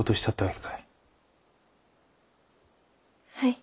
はい。